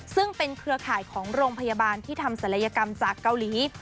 ซึ่งเป็นเครือข่ายของโรงพยาบาลที่ทำศัลยกรรมจากเกาหลี